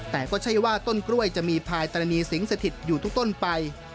แต่ก็ใช่ว่าต้นกล้วยจะมีพายตรณีสิงสถิตอยู่ทุกต้นไป